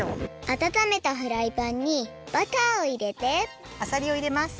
あたためたフライパンにバターをいれてあさりをいれます。